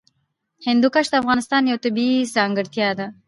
هندوکش د افغانستان یوه طبیعي ځانګړتیا ده.